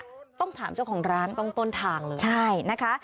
เดอะแบบนี้ต้องถามเจ้าของร้านต้องต้นทางใช่นะคะ